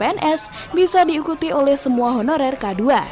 pns bisa diikuti oleh semua honorer k dua